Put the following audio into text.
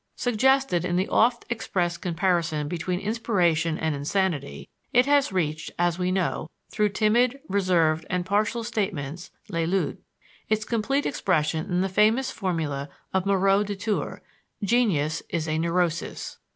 suggested in the oft expressed comparison between inspiration and insanity, it has reached, as we know through timid, reserved, and partial statements (Lélut) its complete expression in the famous formula of Moreau de Tours, "Genius is a neurosis."